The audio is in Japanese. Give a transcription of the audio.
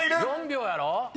４秒やろ？